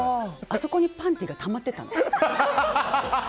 あそこにパンティーがたまってたの。